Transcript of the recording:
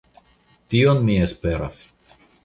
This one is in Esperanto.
Tion mi esperas?